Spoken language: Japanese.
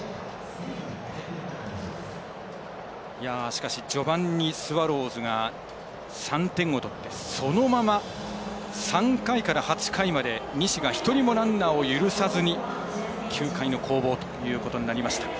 しかし、序盤にスワローズが３点を取ってそのまま、３回から８回まで西が１人もランナーを許さずに９回の攻防ということになりました。